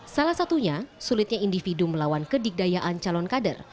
salah satunya sulitnya individu melawan kedikdayaan calon kader